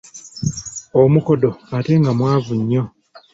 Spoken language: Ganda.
Omukodo ate nga mwavu nnyo.